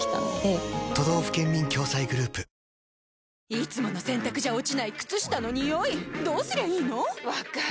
いつもの洗たくじゃ落ちない靴下のニオイどうすりゃいいの⁉分かる。